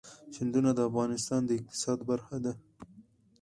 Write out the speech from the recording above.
سیندونه د افغانستان د اقتصاد برخه ده.